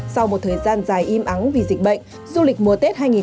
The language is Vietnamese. sau một thời gian dài im ắng vì dịch bệnh du lịch mùa tết hai nghìn hai mươi hai đã sôi động hơn